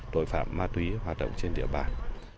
tội phạm ma túy hoạt động trên địa bàn